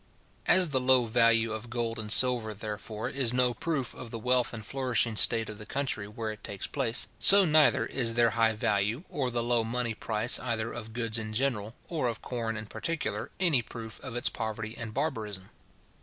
As the low value of gold and silver, therefore, is no proof of the wealth and flourishing state of the country where it takes place; so neither is their high value, or the low money price either of goods in general, or of corn in particular, any proof of its poverty and barbarism.